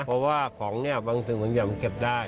เพราะว่าของบางอย่างมันเก็บได้